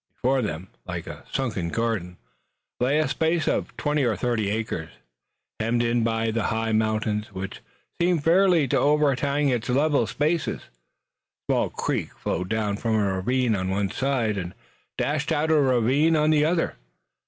Before them, like a sunken garden, lay a space of twenty or thirty acres, hemmed in by the high mountains, which seemed fairly to overhang its level spaces. A small creek flowed down from a ravine on one side, and dashed out of a ravine on the other.